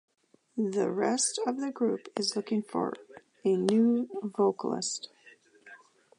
The rest of the group is looking for a new vocalist.